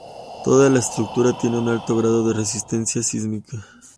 Toda la estructura tiene un alto grado de resistencia sísmica.